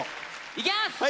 いきます！